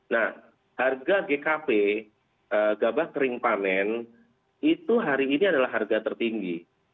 nah harga gkp gabah kering panen itu hari ini adalah harga tertinggi